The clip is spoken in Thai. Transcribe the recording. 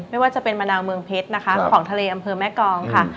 ไม่ว่าจะเป็นมะนาวเมืองเพชรนะคะของทะเลอำเภอแม่กองค่ะ